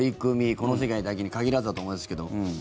この世界だけに限らずだと思いますけども。